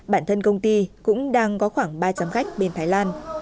bản thân công ty cũng đang có khoảng ba trăm linh khách bên thái lan